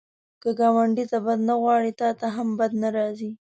که ګاونډي ته بد نه غواړې، تا ته هم بد نه راځي